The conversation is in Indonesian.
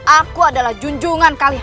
aku adalah junjungan kalian